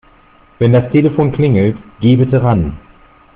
Wenn das Telefon klingelt, geh bitte ran.